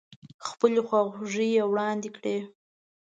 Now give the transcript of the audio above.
خپلې خواخوږۍ يې واړندې کړې.